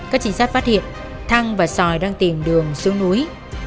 các chính sách phát hiện thăng và sòi đang tìm đường xuống núi